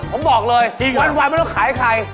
ผมบอกเลยจริงหรือวันไม่ต้องขายไข่